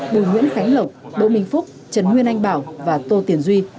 bùi nguyễn khánh lộc đỗ minh phúc trần nguyên anh bảo và tô tiền duy